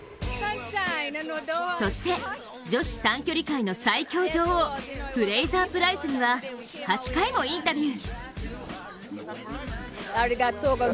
そして女子短距離界の最強女王、フレイザープライスには８回もインタビュー。